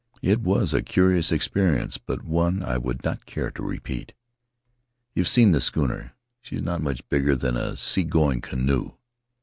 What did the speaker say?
It was a curious experience, but one I would not care to repeat. "You've seen the schooner — she's not much bigger than a sea going canoe.